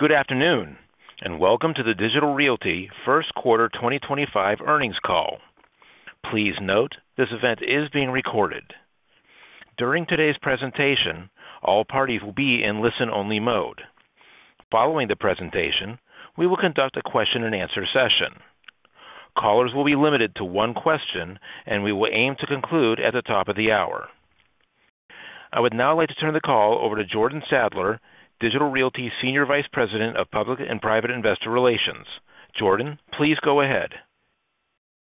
Good afternoon, and Welcome to the Digital Realty First Quarter 2025 Earnings Call. Please note this event is being recorded. During today's presentation, all parties will be in listen-only mode. Following the presentation, we will conduct a question-and-answer session. Callers will be limited to one question, and we will aim to conclude at the top of the hour. I would now like to turn the call over to Jordan Sadler, Digital Realty Senior Vice President of Public and Private Investor Relations. Jordan, please go ahead.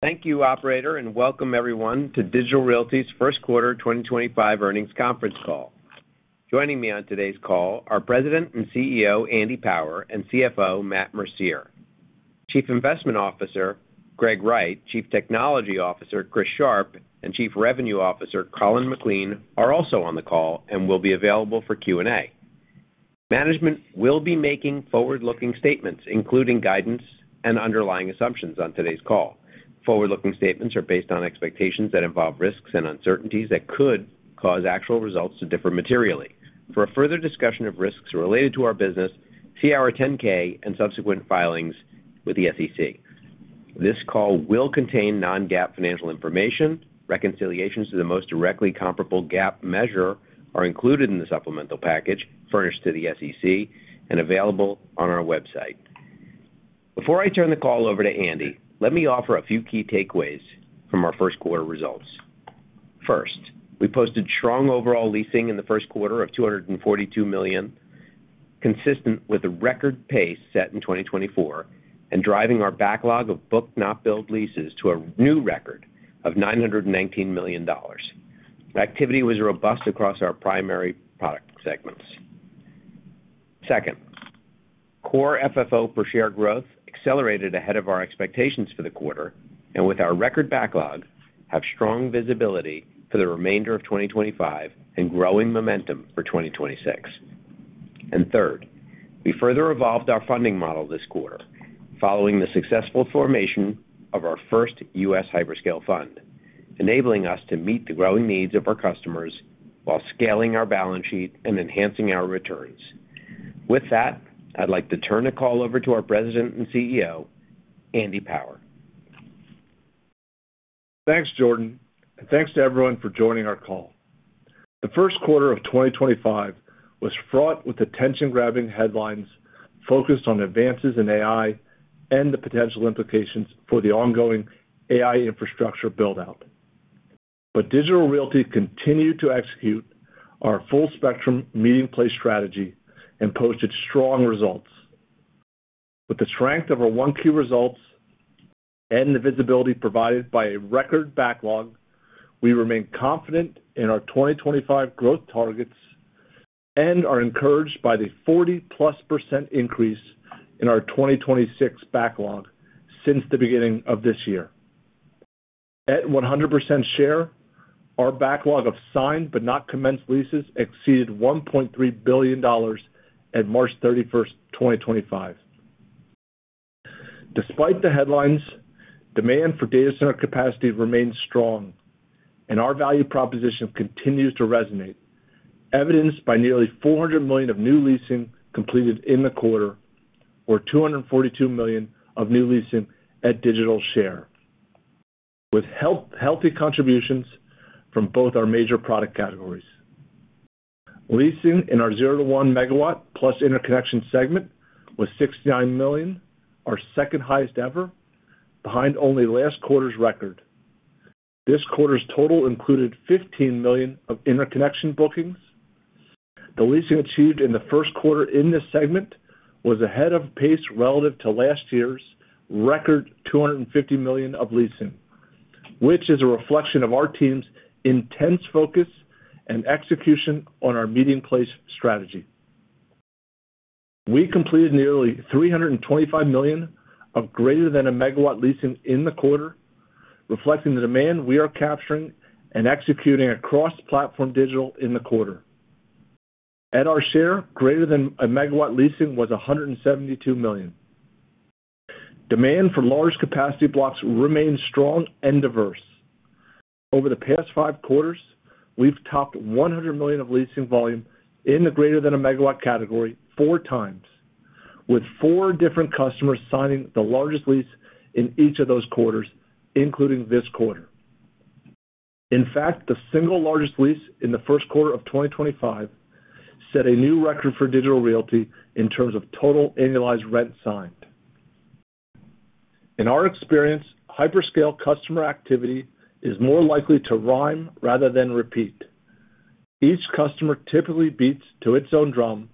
Thank you, Operator, and Welcome Everyone to Digital Realty's First Quarter 2025 Earnings Conference Call. Joining me on today's call are President and CEO Andy Power and CFO Matt Mercier. Chief Investment Officer Greg Wright, Chief Technology Officer Chris Sharp, and Chief Revenue Officer Colin McLean are also on the call and will be available for Q&A. Management will be making forward-looking statements, including guidance and underlying assumptions on today's call. Forward-looking statements are based on expectations that involve risks and uncertainties that could cause actual results to differ materially. For further discussion of risks related to our business, see our 10-K and subsequent filings with the SEC. This call will contain non-GAAP financial information. Reconciliations to the most directly comparable GAAP measure are included in the supplemental package furnished to the SEC and available on our website. Before I turn the call over to Andy, let me offer a few key takeaways from our first quarter results. First, we posted strong overall leasing in the first quarter of $242 million, consistent with the record pace set in 2024 and driving our backlog of booked, not billed leases to a new record of $919 million. Activity was robust across our primary product segments. Second, Core FFO per share growth accelerated ahead of our expectations for the quarter, and with our record backlog, we have strong visibility for the remainder of 2025 and growing momentum for 2026. Third, we further evolved our funding model this quarter following the successful formation of our first U.S. hyperscale fund, enabling us to meet the growing needs of our customers while scaling our balance sheet and enhancing our returns. With that, I'd like to turn the call over to our President and CEO, Andy Power. Thanks, Jordan, and thanks to everyone for joining our call. The first quarter of 2025 was fraught with attention-grabbing headlines focused on advances in AI and the potential implications for the ongoing AI infrastructure build-out. Digital Realty continued to execute our full-spectrum meeting place strategy and posted strong results. With the strength of our 1Q results and the visibility provided by a record backlog, we remain confident in our 2025 growth targets and are encouraged by the 40+% increase in our 2026 backlog since the beginning of this year. At 100% share, our backlog of signed but not commenced leases exceeded $1.3 billion at March 31, 2025. Despite the headlines, demand for data center capacity remains strong, and our value proposition continues to resonate, evidenced by nearly $400 million of new leasing completed in the quarter, or $242 million of new leasing at Digital share, with healthy contributions from both our major product categories. Leasing in our 0-1 megawatt plus interconnection segment was $69 million, our second highest ever, behind only last quarter's record. This quarter's total included $15 million of interconnection bookings. The leasing achieved in the first quarter in this segment was ahead of pace relative to last year's record $250 million of leasing, which is a reflection of our team's intense focus and execution on our meeting place strategy. We completed nearly $325 million of greater than a megawatt leasing in the quarter, reflecting the demand we are capturing and executing across PlatformDIGITAL in the quarter. At our share, greater than a megawatt leasing was $172 million. Demand for large capacity blocks remains strong and diverse. Over the past five quarters, we've topped $100 million of leasing volume in the greater than a megawatt category four times, with four different customers signing the largest lease in each of those quarters, including this quarter. In fact, the single largest lease in the first quarter of 2025 set a new record for Digital Realty in terms of total annualized rent signed. In our experience, hyperscale customer activity is more likely to rhyme rather than repeat. Each customer typically beats to its own drum,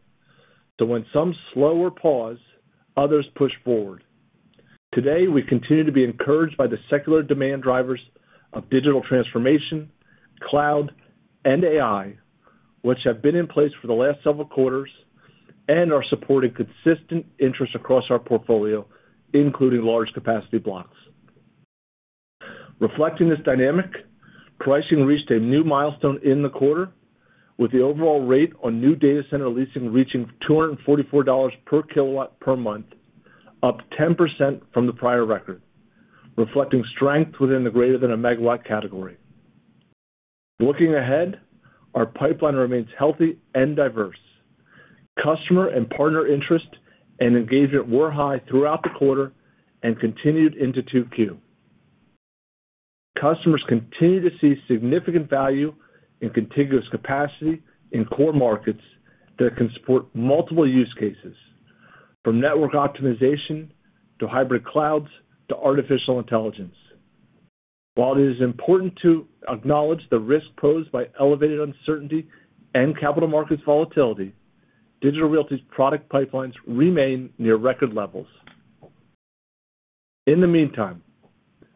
so when some slower pause, others push forward. Today, we continue to be encouraged by the secular demand drivers of digital transformation, cloud, and AI, which have been in place for the last several quarters and are supporting consistent interest across our portfolio, including large capacity blocks. Reflecting this dynamic, pricing reached a new milestone in the quarter, with the overall rate on new data center leasing reaching $244 per kW per month, up 10% from the prior record, reflecting strength within the greater than a megawatt category. Looking ahead, our pipeline remains healthy and diverse. Customer and partner interest and engagement were high throughout the quarter and continued into 2Q. Customers continue to see significant value in contiguous capacity in core markets that can support multiple use cases, from network optimization to hybrid clouds to artificial intelligence. While it is important to acknowledge the risk posed by elevated uncertainty and capital markets volatility, Digital Realty's product pipelines remain near record levels. In the meantime,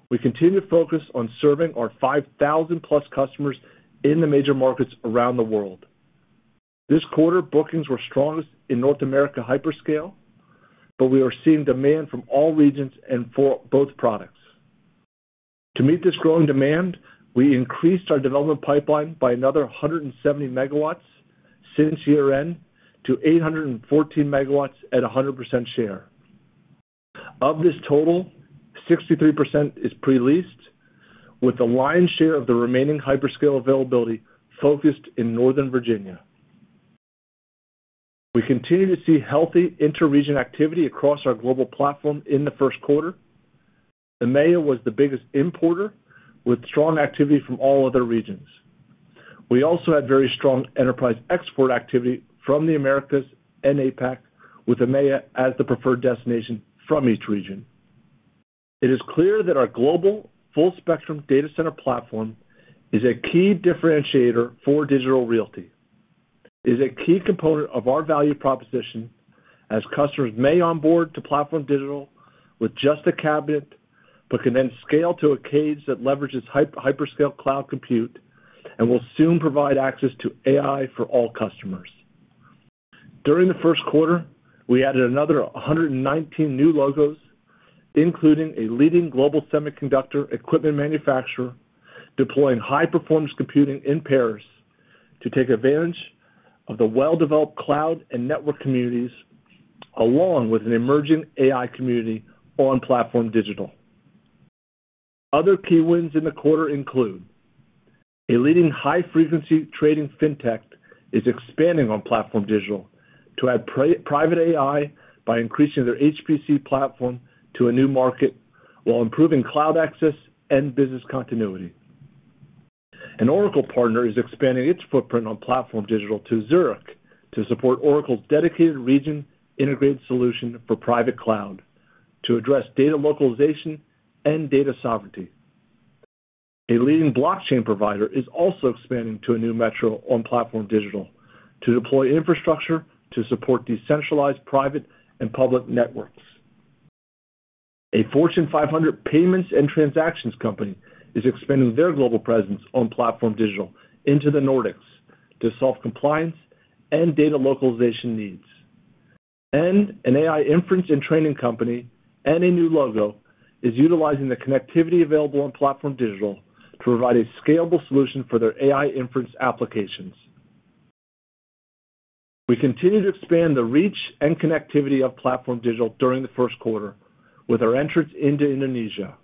we continue to focus on serving our 5,000+ customers in the major markets around the world. This quarter, bookings were strongest in North America hyperscale, but we are seeing demand from all regions and for both products. To meet this growing demand, we increased our development pipeline by another 170 MW since year-end to 814 MW at 100% share. Of this total, 63% is pre-leased, with the lion's share of the remaining hyperscale availability focused in Northern Virginia. We continue to see healthy inter-region activity across our global platform in the first quarter. EMEA was the biggest importer, with strong activity from all other regions. We also had very strong enterprise export activity from the Americas and APAC, with EMEA as the preferred destination from each region. It is clear that our global full-spectrum data center platform is a key differentiator for Digital Realty. It is a key component of our value proposition, as customers may onboard to PlatformDIGITAL with just a cabinet but can then scale to a cage that leverages hyperscale cloud compute and will soon provide access to AI for all customers. During the first quarter, we added another 119 new logos, including a leading global semiconductor equipment manufacturer deploying high-performance computing in Paris to take advantage of the well-developed cloud and network communities, along with an emerging AI community on PlatformDIGITAL. Other key wins in the quarter include a leading high-frequency trading fintech that is expanding on PlatformDIGITAL to add private AI by increasing their HPC platform to a new market while improving cloud access and business continuity. An Oracle partner is expanding its footprint on PlatformDIGITAL to Zurich to support Oracle's dedicated region-integrated solution for private cloud to address data localization and data sovereignty. A leading blockchain provider is also expanding to a new metro on PlatformDIGITAL to deploy infrastructure to support decentralized private and public networks. A Fortune 500 payments and transactions company is expanding their global presence on PlatformDIGITAL into the Nordics to solve compliance and data localization needs. An AI inference and training company and a new logo is utilizing the connectivity available on PlatformDIGITAL to provide a scalable solution for their AI inference applications. We continue to expand the reach and connectivity of PlatformDIGITAL during the first quarter with our entrance into Indonesia.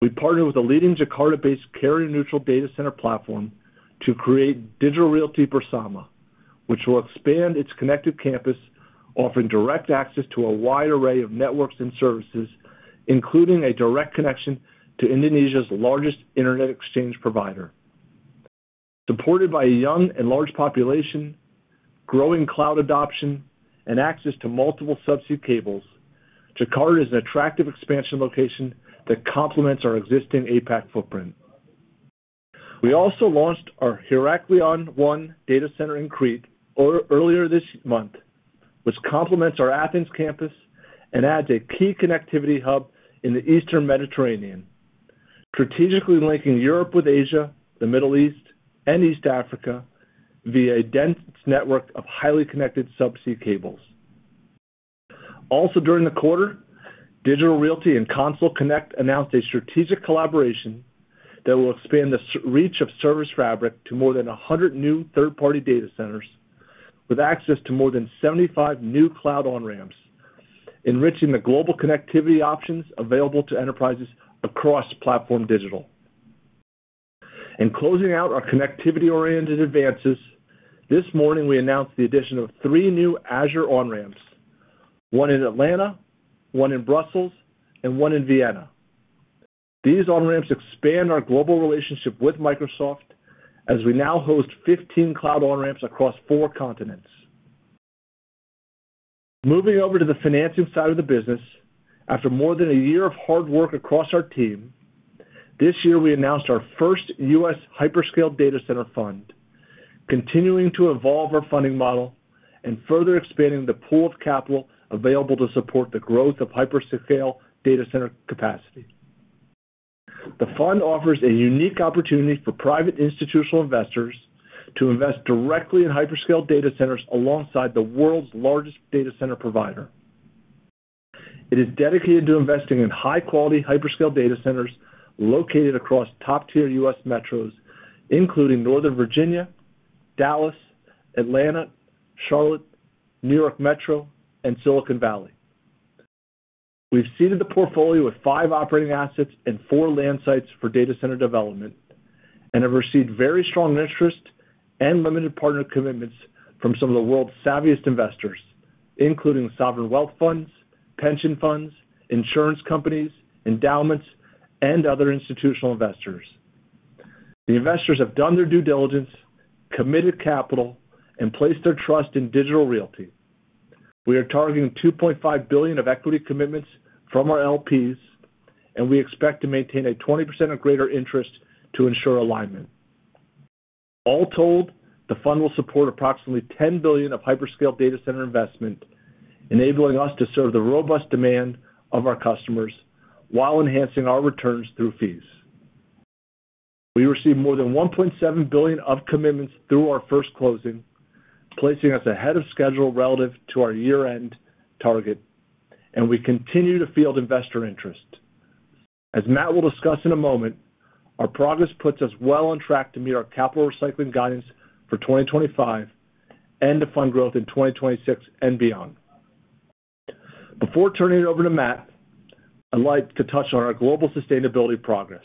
We partnered with a leading Jakarta-based carrier-neutral data center platform to create Digital Realty Bersama, which will expand its connected campus, offering direct access to a wide array of networks and services, including a direct connection to Indonesia's largest internet exchange provider. Supported by a young and large population, growing cloud adoption, and access to multiple subsea cables, Jakarta is an attractive expansion location that complements our existing APAC footprint. We also launched our Heraklion One data center in Crete earlier this month, which complements our Athens Campus and adds a key connectivity hub in the Eastern Mediterranean, strategically linking Europe with Asia, the Middle East, and East Africa via a dense network of highly connected subsea cables. Also, during the quarter, Digital Realty and Console Connect announced a strategic collaboration that will expand the reach of ServiceFabric to more than 100 new third-party data centers with access to more than 75 new cloud on-ramps, enriching the global connectivity options available to enterprises across PlatformDIGITAL. In closing out our connectivity-oriented advances, this morning we announced the addition of three new Azure on-ramps, one in Atlanta, one in Brussels, and one in Vienna. These on-ramps expand our global relationship with Microsoft as we now host 15 cloud on-ramps across four continents. Moving over to the financing side of the business, after more than a year of hard work across our team, this year we announced our first U.S. hyperscale data center fund, continuing to evolve our funding model and further expanding the pool of capital available to support the growth of hyperscale data center capacity. The fund offers a unique opportunity for private institutional investors to invest directly in hyperscale data centers alongside the world's largest data center provider. It is dedicated to investing in high-quality hyperscale data centers located across top-tier U.S. metros, including Northern Virginia, Dallas, Atlanta, Charlotte, New York Metro, and Silicon Valley. We've seeded the portfolio with five operating assets and four land sites for data center development and have received very strong interest and limited partner commitments from some of the world's savviest investors, including sovereign wealth funds, pension funds, insurance companies, endowments, and other institutional investors. The investors have done their due diligence, committed capital, and placed their trust in Digital Realty. We are targeting $2.5 billion of equity commitments from our LPs, and we expect to maintain a 20% or greater interest to ensure alignment. All told, the fund will support approximately $10 billion of hyperscale data center investment, enabling us to serve the robust demand of our customers while enhancing our returns through fees. We received more than $1.7 billion of commitments through our first closing, placing us ahead of schedule relative to our year-end target, and we continue to field investor interest. As Matt will discuss in a moment, our progress puts us well on track to meet our capital recycling guidance for 2025 and to fund growth in 2026 and beyond. Before turning it over to Matt, I'd like to touch on our global sustainability progress.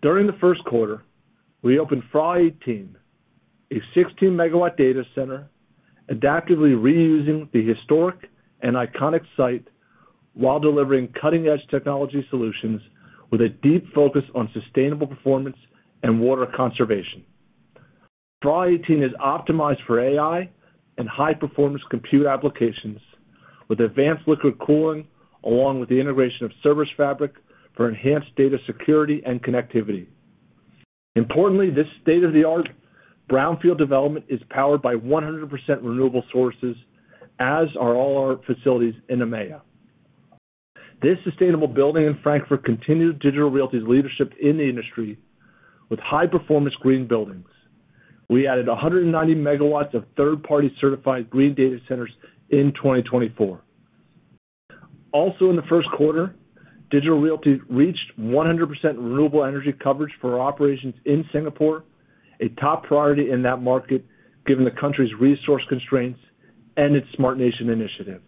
During the first quarter, we opened FRA18, a 16 MW data center, adaptively reusing the historic and iconic site while delivering cutting-edge technology solutions with a deep focus on sustainable performance and water conservation. FRA18 is optimized for AI and high-performance compute applications with advanced liquid cooling, along with the integration of ServiceFabric for enhanced data security and connectivity. Importantly, this state-of-the-art brownfield development is powered by 100% renewable sources, as are all our facilities in EMEA. This sustainable building in Frankfurt continued Digital Realty's leadership in the industry with high-performance green buildings. We added 190 MW of third-party certified green data centers in 2024. Also, in the first quarter, Digital Realty reached 100% renewable energy coverage for our operations in Singapore, a top priority in that market given the country's resource constraints and its Smart Nation Initiative.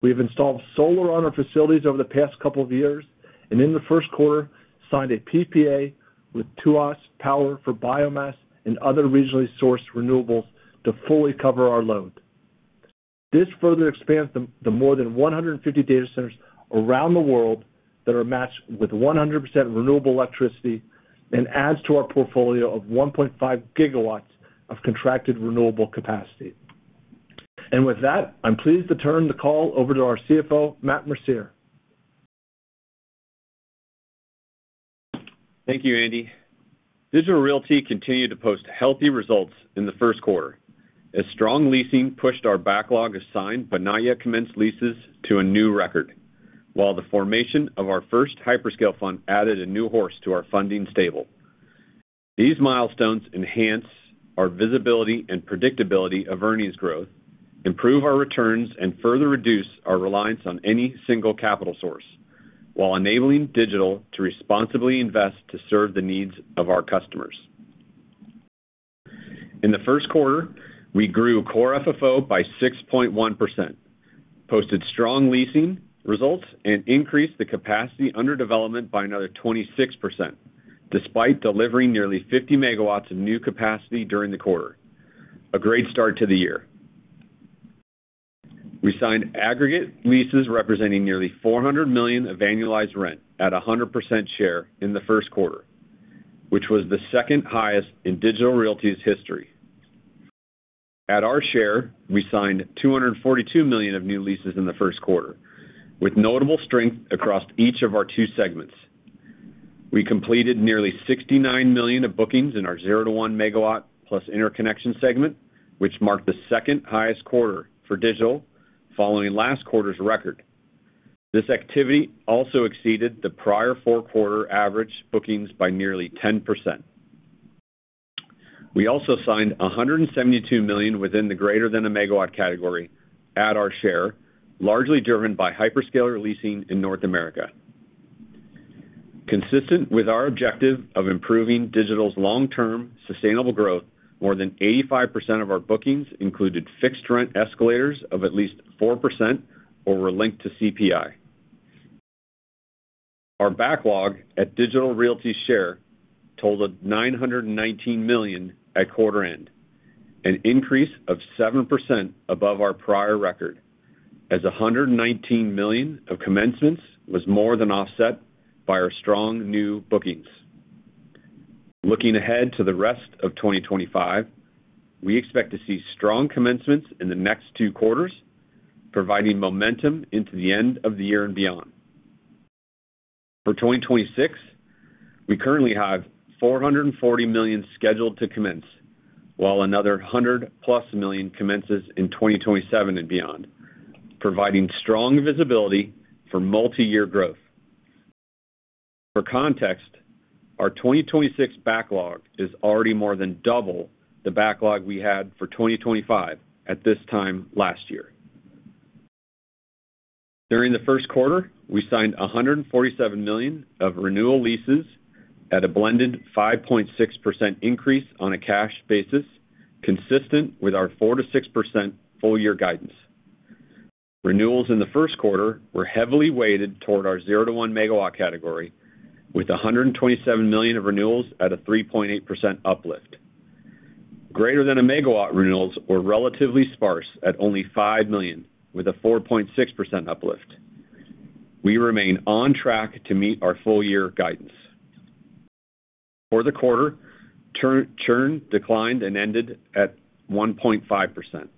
We have installed solar on our facilities over the past couple of years and, in the first quarter, signed a PPA with Tuas Power for biomass and other regionally sourced renewables to fully cover our load. This further expands the more than 150 data centers around the world that are matched with 100% renewable electricity and adds to our portfolio of 1.5 GW of contracted renewable capacity. With that, I'm pleased to turn the call over to our CFO, Matt Mercier. Thank you, Andy. Digital Realty continued to post healthy results in the first quarter, as strong leasing pushed our backlog of signed but not yet commenced leases to a new record, while the formation of our first hyperscale fund added a new horse to our funding stable. These milestones enhance our visibility and predictability of earnings growth, improve our returns, and further reduce our reliance on any single capital source, while enabling Digital to responsibly invest to serve the needs of our customers. In the first quarter, we grew Core FFO by 6.1%, posted strong leasing results, and increased the capacity under development by another 26%, despite delivering nearly 50 MW of new capacity during the quarter, a great start to the year. We signed aggregate leases representing nearly $400 million of annualized rent at 100% share in the first quarter, which was the second highest in Digital Realty's history. At our share, we signed $242 million of new leases in the first quarter, with notable strength across each of our two segments. We completed nearly $69 million of bookings in our 0-1 megawatt plus interconnection segment, which marked the second highest quarter for Digital, following last quarter's record. This activity also exceeded the prior four quarter average bookings by nearly 10%. We also signed $172 million within the greater-than-a-megawatt category at our share, largely driven by hyperscale releasing in North America. Consistent with our objective of improving Digital's long-term sustainable growth, more than 85% of our bookings included fixed rent escalators of at least 4% or were linked to CPI. Our backlog at Digital Realty's share totaled $919 million at quarter-end, an increase of 7% above our prior record, as $119 million of commencements was more than offset by our strong new bookings. Looking ahead to the rest of 2025, we expect to see strong commencements in the next two quarters, providing momentum into the end of the year and beyond. For 2026, we currently have $440 million scheduled to commence, while another $100million+ commences in 2027 and beyond, providing strong visibility for multi-year growth. For context, our 2026 backlog is already more than double the backlog we had for 2025 at this time last year. During the first quarter, we signed $147 million of renewal leases at a blended 5.6% increase on a cash basis, consistent with our 4-6% full-year guidance. Renewals in the first quarter were heavily weighted toward our 0-1 megawatt category, with $127 million of renewals at a 3.8% uplift. Greater-than-a-megawatt renewals were relatively sparse at only $5 million, with a 4.6% uplift. We remain on track to meet our full-year guidance. For the quarter, churn declined and ended at 1.5%.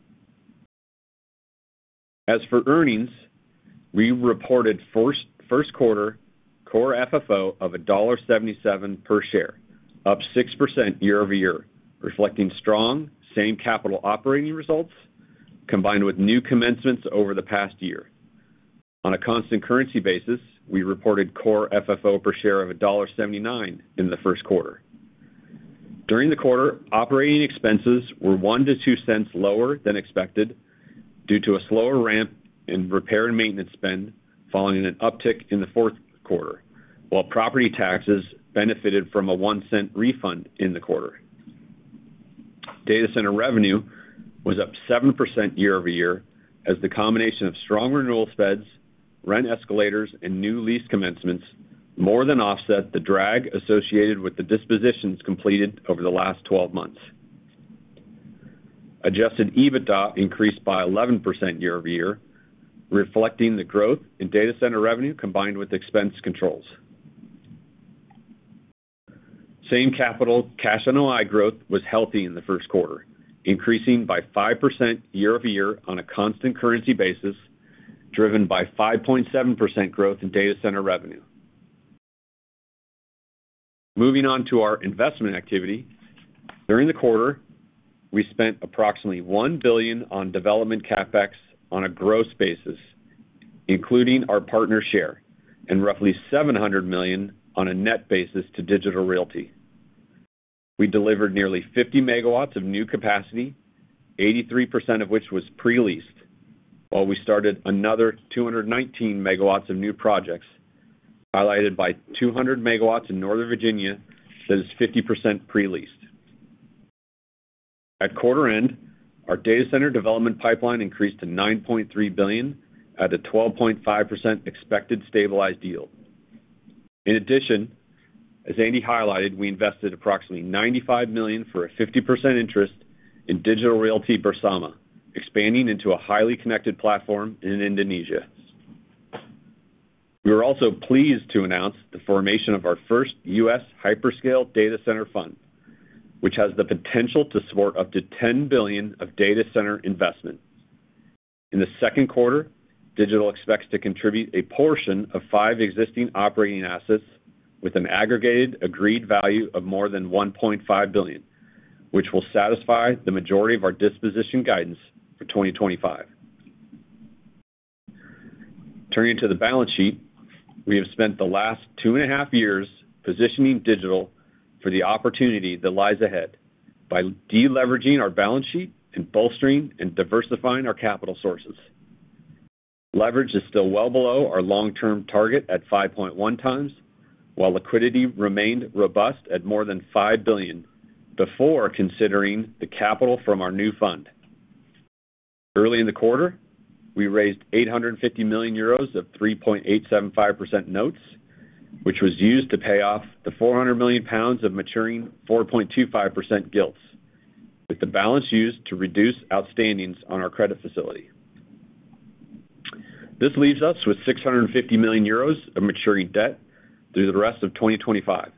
As for earnings, we reported first quarter Core FFO of $1.77 per share, up 6% year-over-year, reflecting strong Same-Capital operating results combined with new commencements over the past year. On a constant currency basis, we reported Core FFO per share of $1.79 in the first quarter. During the quarter, operating expenses were 1-2 cents lower than expected due to a slower ramp in repair and maintenance spend following an uptick in the fourth quarter, while property taxes benefited from a $0.01 refund in the quarter. Data center revenue was up 7% year-over-year as the combination of strong renewal spreads, rent escalators, and new lease commencements more than offset the drag associated with the dispositions completed over the last 12 months. Adjusted EBITDA increased by 11% year-over-year, reflecting the growth in data center revenue combined with expense controls. Same-Capital Cash NOI growth was healthy in the first quarter, increasing by 5% year-over-year on a constant currency basis, driven by 5.7% growth in data center revenue. Moving on to our investment activity, during the quarter, we spent approximately $1 billion on development CapEx on a gross basis, including our partner share, and roughly $700 million on a net basis to Digital Realty. We delivered nearly 50 MW of new capacity, 83% of which was pre-leased, while we started another 219 MW of new projects, highlighted by 200 MW in Northern Virginia that is 50% pre-leased. At quarter-end, our data center development pipeline increased to $9.3 billion at a 12.5% expected stabilized yield. In addition, as Andy highlighted, we invested approximately $95 million for a 50% interest in Digital Realty Bersama, expanding into a highly connected platform in Indonesia. We were also pleased to announce the formation of our first U.S. hyperscale data center fund, which has the potential to support up to $10 billion of data center investment. In the second quarter, Digital expects to contribute a portion of five existing operating assets with an aggregated agreed value of more than $1.5 billion, which will satisfy the majority of our disposition guidance for 2025. Turning to the balance sheet, we have spent the last two and a half years positioning Digital for the opportunity that lies ahead by deleveraging our balance sheet and bolstering and diversifying our capital sources. Leverage is still well below our long-term target at 5.1x, while liquidity remained robust at more than $5 billion before considering the capital from our new fund. Early in the quarter, we raised 850 million euros of 3.875% notes, which was used to pay off the 400 million pounds of maturing 4.25% gilts, with the balance used to reduce outstandings on our credit facility. This leaves us with 650 million euros of maturing debt through the rest of 2025.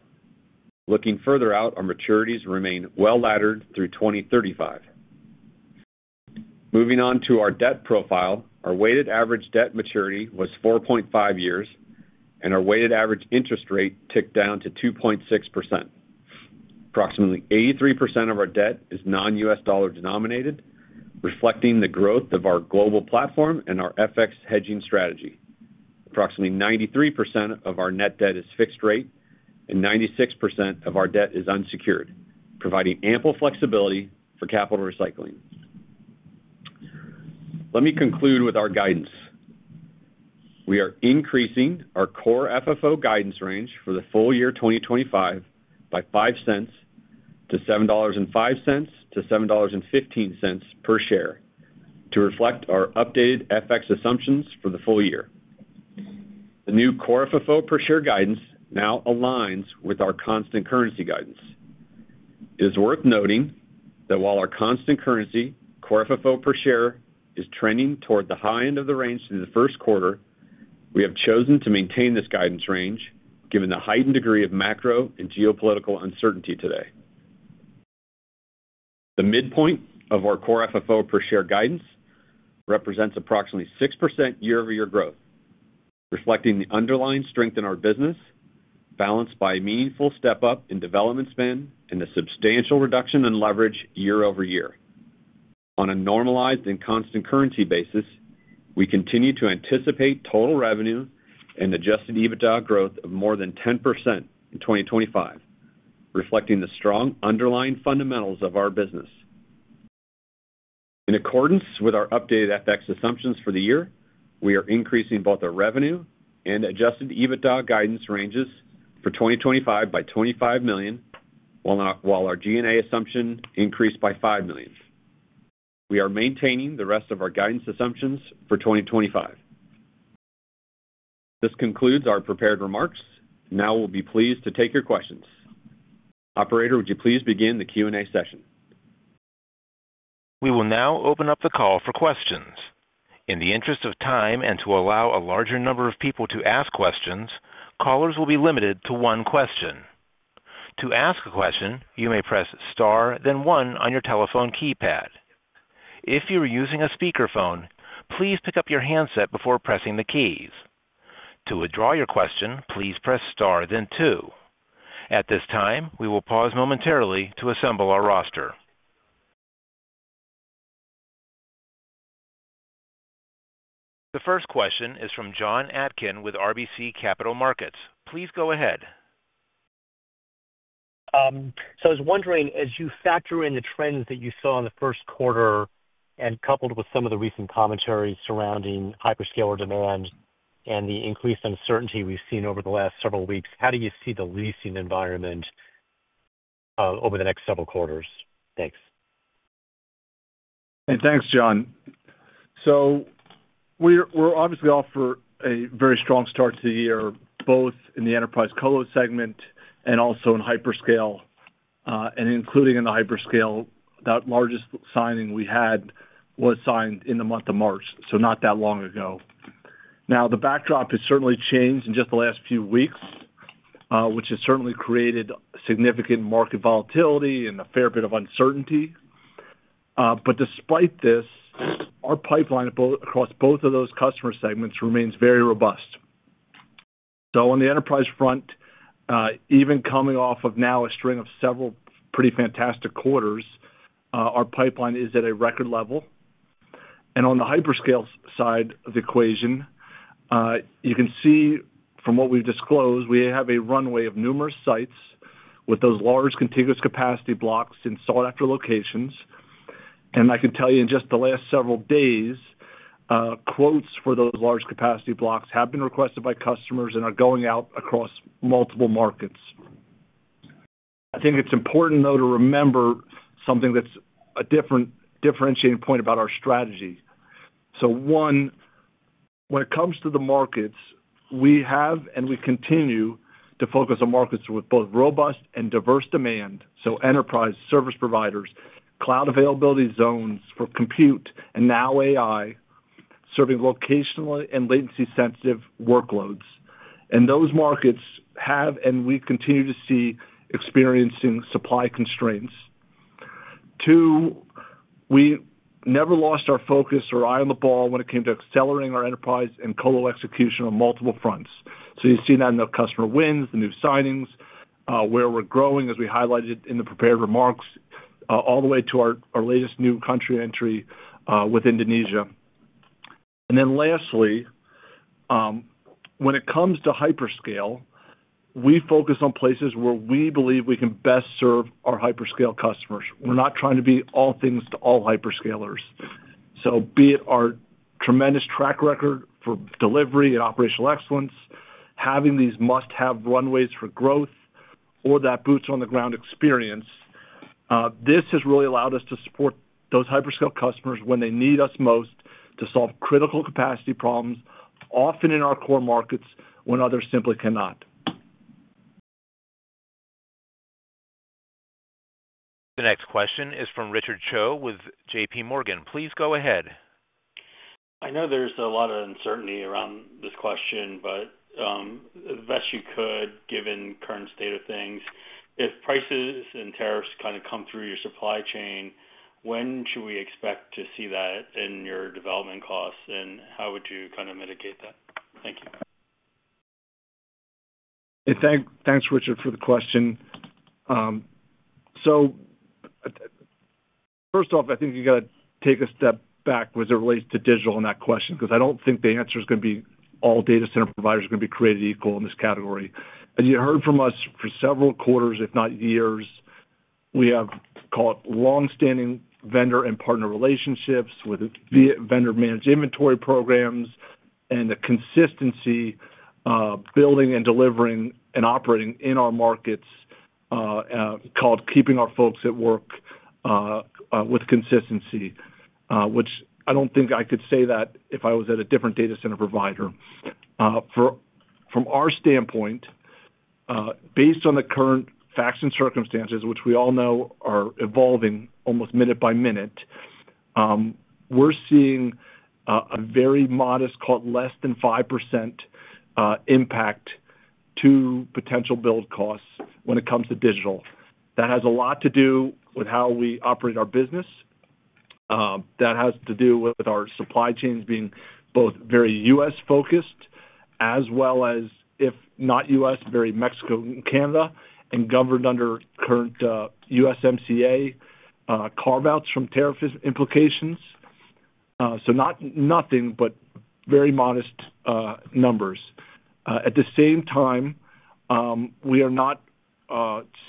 Looking further out, our maturities remain well laddered through 2035. Moving on to our debt profile, our weighted average debt maturity was 4.5 years, and our weighted average interest rate ticked down to 2.6%. Approximately 83% of our debt is non-U.S. dollar denominated, reflecting the growth of our global platform and our FX hedging strategy. Approximately 93% of our net debt is fixed rate, and 96% of our debt is unsecured, providing ample flexibility for capital recycling. Let me conclude with our guidance. We are increasing our Core FFO guidance range for the full year 2025 by $0.05 to $7.05-$7.15 per share to reflect our updated FX assumptions for the full year. The new Core FFO per share guidance now aligns with our constant currency guidance. It is worth noting that while our constant currency, Core FFO per share, is trending toward the high end of the range through the first quarter, we have chosen to maintain this guidance range given the heightened degree of macro and geopolitical uncertainty today. The midpoint of our Core FFO per share guidance represents approximately 6% year-over-year growth, reflecting the underlying strength in our business, balanced by a meaningful step-up in development spend and a substantial reduction in leverage year-over-year. On a normalized and constant currency basis, we continue to anticipate total revenue and adjusted EBITDA growth of more than 10% in 2025, reflecting the strong underlying fundamentals of our business. In accordance with our updated FX assumptions for the year, we are increasing both our revenue and adjusted EBITDA guidance ranges for 2025 by $25 million, while our G&A assumption increased by $5 million. We are maintaining the rest of our guidance assumptions for 2025. This concludes our prepared remarks. Now we'll be pleased to take your questions. Operator, would you please begin the Q&A session? We will now open up the call for questions. In the interest of time and to allow a larger number of people to ask questions, callers will be limited to one question. To ask a question, you may press Star, then 1 on your telephone keypad. If you are using a speakerphone, please pick up your handset before pressing the keys. To withdraw your question, please press Star, then 2. At this time, we will pause momentarily to assemble our roster. The first question is from John Atkin with RBC Capital Markets. Please go ahead. I was wondering, as you factor in the trends that you saw in the first quarter and coupled with some of the recent commentary surrounding hyperscaler demand and the increased uncertainty we've seen over the last several weeks, how do you see the leasing environment over the next several quarters? Thanks. Thanks, John. We're obviously off for a very strong start to the year, both in the enterprise colo segment and also in hyperscale, and including in the hyperscale. That largest signing we had was signed in the month of March, so not that long ago. Now, the backdrop has certainly changed in just the last few weeks, which has certainly created significant market volatility and a fair bit of uncertainty. Despite this, our pipeline across both of those customer segments remains very robust. On the enterprise front, even coming off of now a string of several pretty fantastic quarters, our pipeline is at a record level. On the hyperscale side of the equation, you can see from what we've disclosed, we have a runway of numerous sites with those large contiguous capacity blocks in sought-after locations. I can tell you in just the last several days, quotes for those large capacity blocks have been requested by customers and are going out across multiple markets. I think it's important, though, to remember something that's a different differentiating point about our strategy. One, when it comes to the markets, we have and we continue to focus on markets with both robust and diverse demand. Enterprise service providers, cloud availability zones for compute, and now AI serving locationally and latency-sensitive workloads. Those markets have, and we continue to see, experiencing supply constraints. Two, we never lost our focus or eye on the ball when it came to accelerating our enterprise and colo execution on multiple fronts. You see that in the customer wins, the new signings, where we're growing, as we highlighted in the prepared remarks, all the way to our latest new country entry with Indonesia. Lastly, when it comes to hyperscale, we focus on places where we believe we can best serve our hyperscale customers. We're not trying to be all things to all hyperscalers. Be it our tremendous track record for delivery and operational excellence, having these must-have runways for growth, or that boots-on-the-ground experience, this has really allowed us to support those hyperscale customers when they need us most to solve critical capacity problems, often in our core markets when others simply cannot. The next question is from Richard Cho with JPMorgan. Please go ahead. I know there's a lot of uncertainty around this question, but the best you could, given the current state of things, if prices and tariffs kind of come through your supply chain, when should we expect to see that in your development costs, and how would you kind of mitigate that? Thank you. Thanks, Richard, for the question. First off, I think you've got to take a step back with regards to Digital Realty in that question because I don't think the answer is going to be all data center providers are going to be created equal in this category. As you heard from us, for several quarters, if not years, we have called long-standing vendor and partner relationships with vendor-managed inventory programs and a consistency building and delivering and operating in our markets called keeping our folks at work with consistency, which I don't think I could say that if I was at a different data center provider. From our standpoint, based on the current facts and circumstances, which we all know are evolving almost minute by minute, we're seeing a very modest, less than 5% impact to potential build costs when it comes to Digital Realty. That has a lot to do with how we operate our business. That has to do with our supply chains being both very U.S.-focused as well as, if not U.S., very Mexico and Canada, and governed under current USMCA carve-outs from tariff implications. Nothing but very modest numbers. At the same time, we are not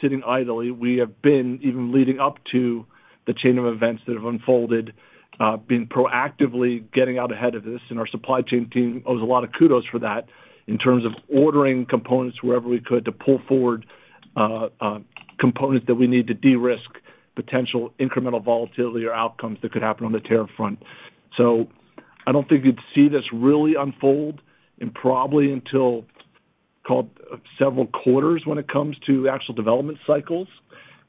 sitting idly. We have been, even leading up to the chain of events that have unfolded, proactively getting out ahead of this, and our supply chain team owes a lot of kudos for that in terms of ordering components wherever we could to pull forward components that we need to de-risk potential incremental volatility or outcomes that could happen on the tariff front. I don't think you'd see this really unfold until probably several quarters when it comes to actual development cycles,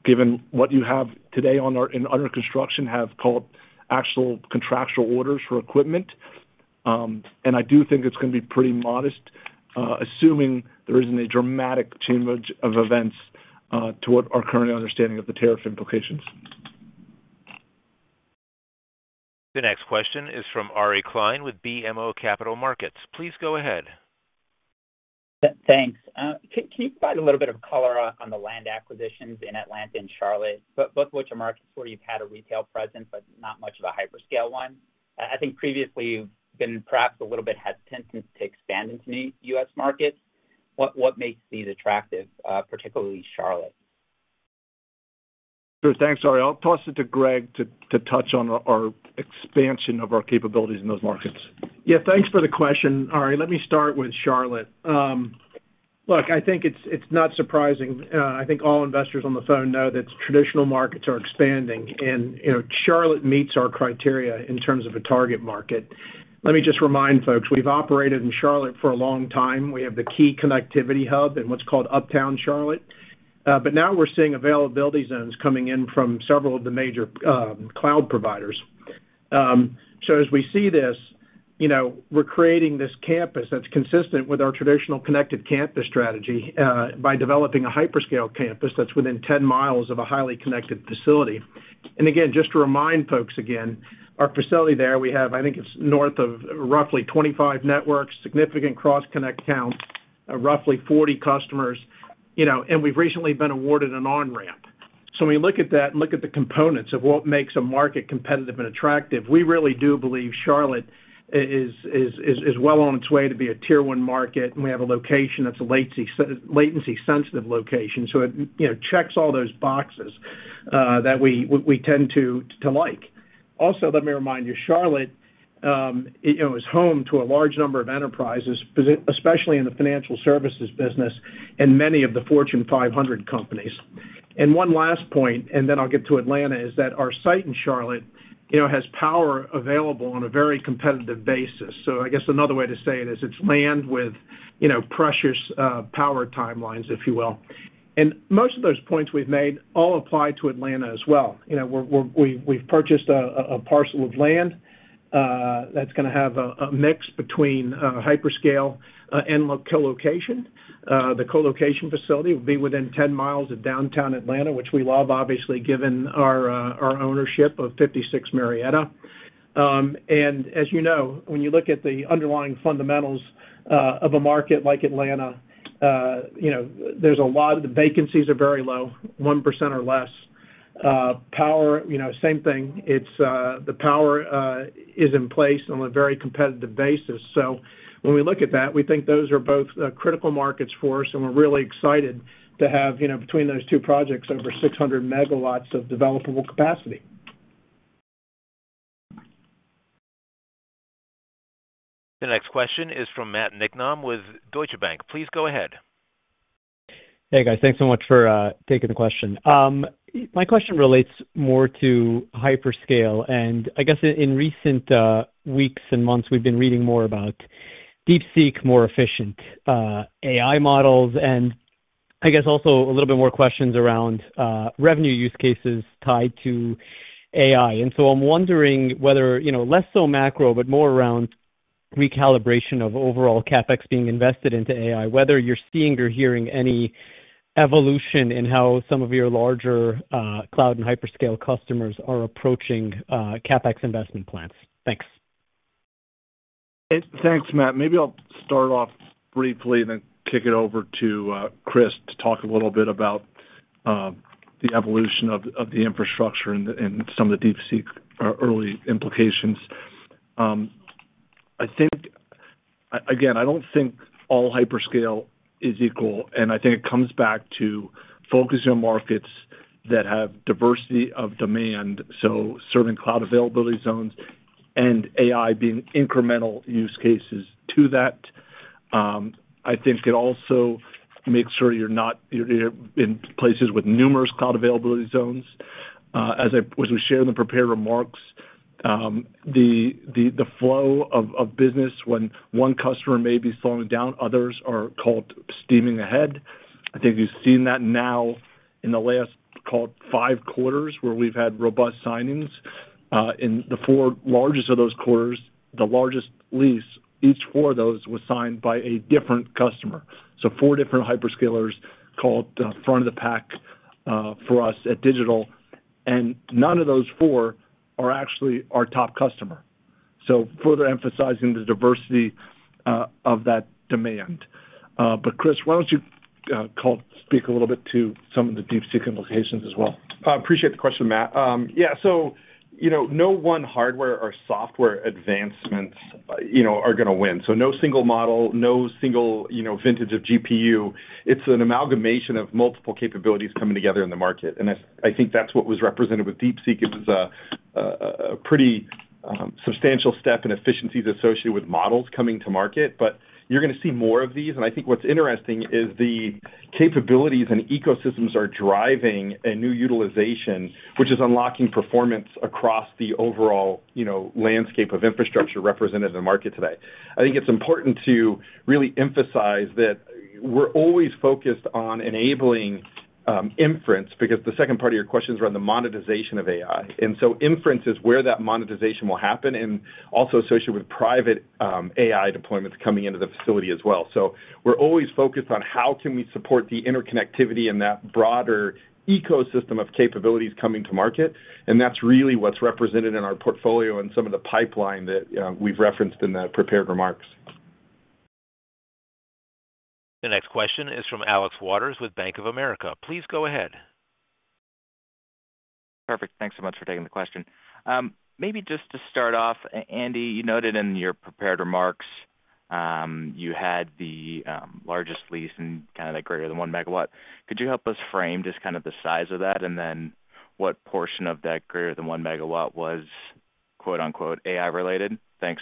given what you have today in under construction and actual contractual orders for equipment. I do think it's going to be pretty modest, assuming there isn't a dramatic change of events to what our current understanding of the tariff implications is. The next question is from Ari Klein with BMO Capital Markets. Please go ahead. Thanks. Can you provide a little bit of color on the land acquisitions in Atlanta and Charlotte, both of which are markets where you've had a retail presence but not much of a hyperscale one? I think previously you've been perhaps a little bit hesitant to expand into new U.S. markets. What makes these attractive, particularly Charlotte? Sure. Thanks, Ari. I'll toss it to Greg to touch on our expansion of our capabilities in those markets. Yeah, thanks for the question, Ari. Let me start with Charlotte. Look, I think it's not surprising. I think all investors on the phone know that traditional markets are expanding, and Charlotte meets our criteria in terms of a target market. Let me just remind folks, we've operated in Charlotte for a long time. We have the key connectivity hub in what's called Uptown Charlotte. Now we're seeing availability zones coming in from several of the major cloud providers. As we see this, we're creating this campus that's consistent with our traditional connected campus strategy by developing a hyperscale campus that's within 10 mi of a highly connected facility. Again, just to remind folks, our facility there, we have, I think it's north of roughly 25 networks, significant cross-connect counts, roughly 40 customers, and we've recently been awarded an on-ramp. When you look at that and look at the components of what makes a market competitive and attractive, we really do believe Charlotte is well on its way to be a tier-one market, and we have a location that's a latency-sensitive location. It checks all those boxes that we tend to like. Also, let me remind you, Charlotte is home to a large number of enterprises, especially in the financial services business and many of the Fortune 500 companies. One last point, and then I'll get to Atlanta, is that our site in Charlotte has power available on a very competitive basis. I guess another way to say it is it's land with precious power timelines, if you will. Most of those points we've made all apply to Atlanta as well. We've purchased a parcel of land that's going to have a mix between hyperscale and colocation. The colocation facility will be within 10 mi of downtown Atlanta, which we love, obviously, given our ownership of 56 Marietta. As you know, when you look at the underlying fundamentals of a market like Atlanta, a lot of the vacancies are very low, 1% or less. Power, same thing. The power is in place on a very competitive basis. When we look at that, we think those are both critical markets for us, and we're really excited to have between those two projects over 600 MW of developable capacity. The next question is from Matt Mercier with Deutsche Bank. Please go ahead. Hey, guys. Thanks so much for taking the question. My question relates more to hyperscale. I guess in recent weeks and months, we've been reading more about DeepSeek, more efficient AI models, and I guess also a little bit more questions around revenue use cases tied to AI. I am wondering whether less so macro, but more around recalibration of overall CapEx being invested into AI, whether you're seeing or hearing any evolution in how some of your larger cloud and hyperscale customers are approaching CapEx investment plans. Thanks. Thanks, Matt. Maybe I'll start off briefly and then kick it over to Chris to talk a little bit about the evolution of the infrastructure and some of the DeepSeek early implications. I think, again, I do not think all hyperscale is equal, and I think it comes back to focusing on markets that have diversity of demand. Serving cloud availability zones and AI being incremental use cases to that. I think it also makes sure you are not in places with numerous cloud availability zones. As we shared in the prepared remarks, the flow of business when one customer may be slowing down, others are called steaming ahead. I think you have seen that now in the last five quarters where we have had robust signings. In the four largest of those quarters, the largest lease, each four of those was signed by a different customer. Four different hyperscalers called front of the pack for us at Digital, and none of those four are actually our top customer. Further emphasizing the diversity of that demand. Chris, why don't you speak a little bit to some of the DeepSeek implications as well? I appreciate the question, Matt. Yeah. No one hardware or software advancements are going to win. No single model, no single vintage of GPU. It's an amalgamation of multiple capabilities coming together in the market. I think that's what was represented with DeepSeek. It was a pretty substantial step in efficiencies associated with models coming to market. You're going to see more of these. I think what's interesting is the capabilities and ecosystems are driving a new utilization, which is unlocking performance across the overall landscape of infrastructure represented in the market today. I think it's important to really emphasize that we're always focused on enabling inference because the second part of your question is around the monetization of AI. Inference is where that monetization will happen and also associated with private AI deployments coming into the facility as well. We are always focused on how we can support the interconnectivity and that broader ecosystem of capabilities coming to market. That is really what is represented in our portfolio and some of the pipeline that we have referenced in the prepared remarks. The next question is from Alex Waters with Bank of America. Please go ahead. Perfect. Thanks so much for taking the question. Maybe just to start off, Andy, you noted in your prepared remarks you had the largest lease and kind of that greater than 1 MW. Could you help us frame just kind of the size of that and then what portion of that greater than 1 MW was "AI-related"? Thanks.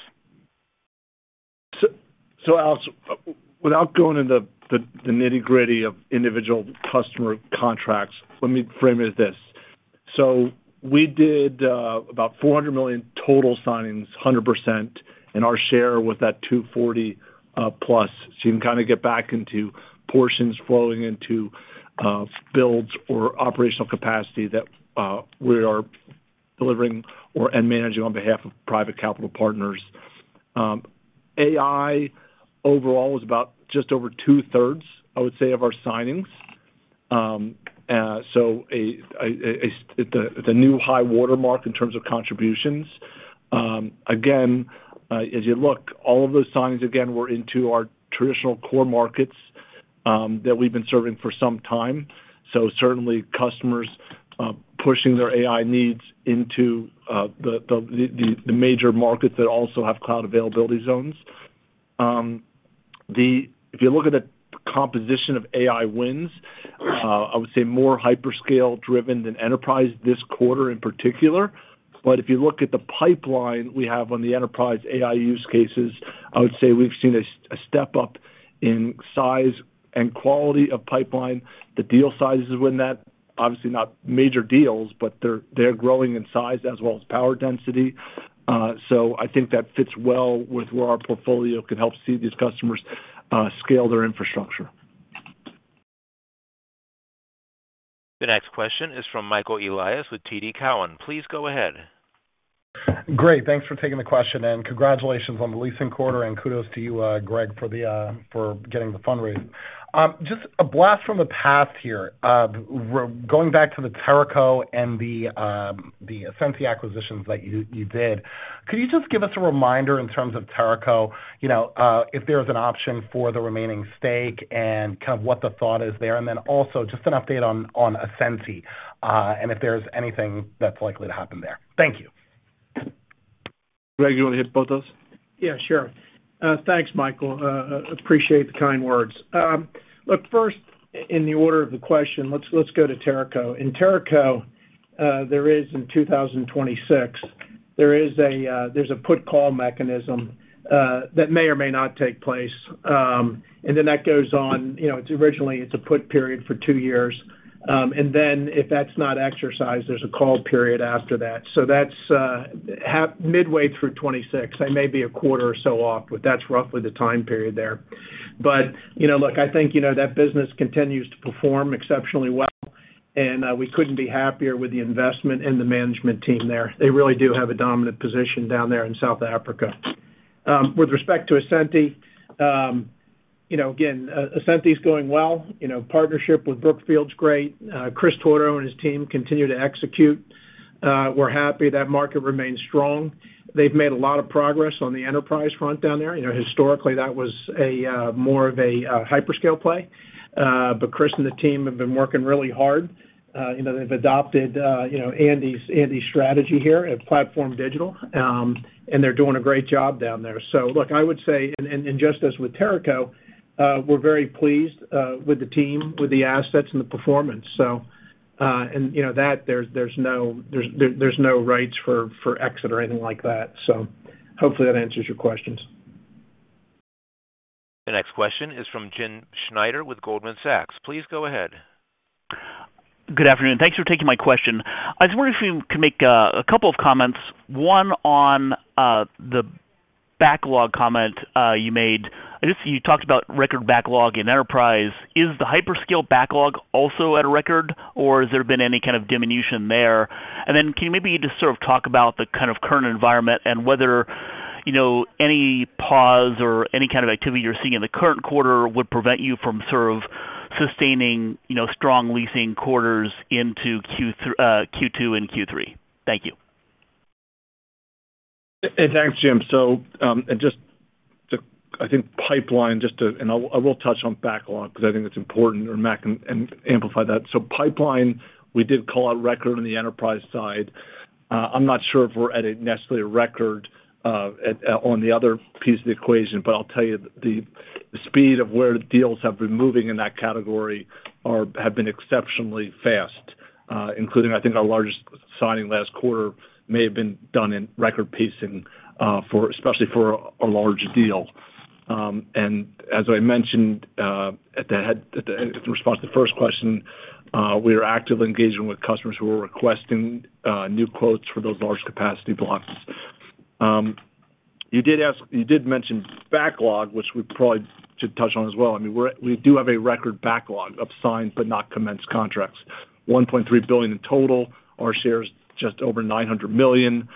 Alex, without going into the nitty-gritty of individual customer contracts, let me frame it as this. We did about $400 million total signings, 100%, and our share was that $240 million-plus. You can kind of get back into portions flowing into builds or operational capacity that we are delivering and managing on behalf of private capital partners. AI overall was about just over two-thirds, I would say, of our signings. It is a new high watermark in terms of contributions. Again, as you look, all of those signings again were into our traditional core markets that we have been serving for some time. Certainly customers pushing their AI needs into the major markets that also have cloud availability zones. If you look at the composition of AI wins, I would say more hyperscale-driven than enterprise this quarter in particular. If you look at the pipeline we have on the enterprise AI use cases, I would say we've seen a step up in size and quality of pipeline. The deal sizes win that. Obviously, not major deals, but they're growing in size as well as power density. I think that fits well with where our portfolio can help see these customers scale their infrastructure. The next question is from Michael Elias with TD Cowen. Please go ahead. Great. Thanks for taking the question. Congratulations on the leasing quarter and kudos to you, Greg, for getting the fundraiser. Just a blast from the past here. Going back to the Teraco and the Ascenty acquisitions that you did, could you just give us a reminder in terms of Teraco if there is an option for the remaining stake and kind of what the thought is there? And then also just an update on Ascenty and if there's anything that's likely to happen there. Thank you. Greg, do you want to hit both of those? Yeah, sure. Thanks, Michael. Appreciate the kind words. Look, first, in the order of the question, let's go to Teraco. In Teraco, there is in 2026, there's a put-call mechanism that may or may not take place. That goes on. Originally, it's a put period for two years. If that's not exercised, there's a call period after that. That's midway through 2026. I may be a quarter or so off, but that's roughly the time period there. Look, I think that business continues to perform exceptionally well, and we couldn't be happier with the investment and the management team there. They really do have a dominant position down there in South Africa. With respect to Ascenty, again, Ascenty is going well. Partnership with Brookfield is great. Chris Torto and his team continue to execute. We're happy that market remains strong. They've made a lot of progress on the enterprise front down there. Historically, that was more of a hyperscale play. Chris and the team have been working really hard. They've adopted Andy's strategy here at Platform Digital, and they're doing a great job down there. I would say, just as with Teraco, we're very pleased with the team, with the assets, and the performance. There are no rights for exit or anything like that. Hopefully that answers your questions. The next question is from Jim Schneider with Goldman Sachs. Please go ahead. Good afternoon. Thanks for taking my question. I was wondering if you could make a couple of comments. One on the backlog comment you made. You talked about record backlog in enterprise. Is the hyperscale backlog also at a record, or has there been any kind of diminution there? Can you maybe just sort of talk about the kind of current environment and whether any pause or any kind of activity you're seeing in the current quarter would prevent you from sort of sustaining strong leasing quarters into Q2 and Q3? Thank you. Hey, thanks, Jim. I think pipeline, just to—and I will touch on backlog because I think it's important or Matt can amplify that. Pipeline, we did call out record on the enterprise side. I'm not sure if we're at necessarily a record on the other piece of the equation, but I'll tell you the speed of where the deals have been moving in that category have been exceptionally fast, including, I think, our largest signing last quarter may have been done in record-pacing, especially for a large deal. As I mentioned in response to the first question, we are actively engaging with customers who are requesting new quotes for those large capacity blocks. You did mention backlog, which we probably should touch on as well. I mean, we do have a record backlog of signed but not commenced contracts. $1.3 billion in total. Our share is just over $900 million.